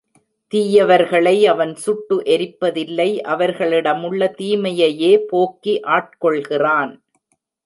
தீயவர்களை அவன் சுட்டு எரிப்பதில்லை அவர்களிடமுள்ள தீமையையே போக்கி ஆட்கொள்கிறான்.